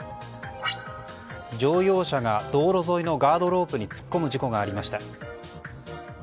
乗用車が道路沿いのガードロープに突っ込む事故がありました。